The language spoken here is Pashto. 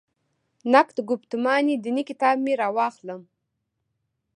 «نقد ګفتمان دیني» کتاب مې راواخلم.